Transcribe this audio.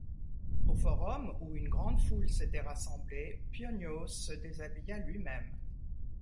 Au forum, où une grande foule s'était rassemblée, Pionios se déshabilla lui-même.